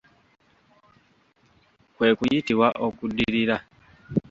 Kwe kuyitibwa okuddirira.